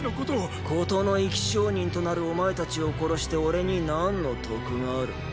事の生き証人となるお前たちを殺して俺に何の得がある。